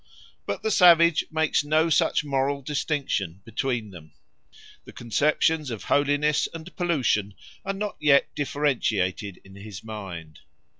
But the savage makes no such moral distinction between them; the conceptions of holiness and pollution are not yet differentiated in his mind.